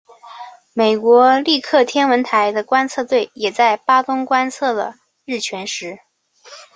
美国利克天文台的观测队也在巴东观测了日全食。